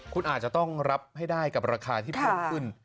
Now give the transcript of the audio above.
คุณอาจจะต้องรับให้ได้กับราคาที่เพิ่มขึ้น